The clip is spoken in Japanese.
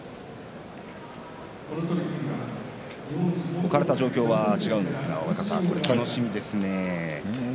置かれた状況は違いますがこれは楽しみですね。